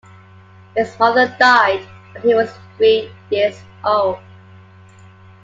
His mother died when he was three years old.